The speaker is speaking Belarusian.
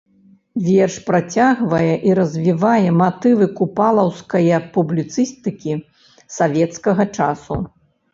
Верш працягвае і развівае матывы купалаўскае публіцыстыкі савецкага часу.